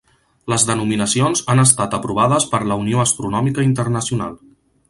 Les denominacions han estat aprovades per la Unió Astronòmica Internacional.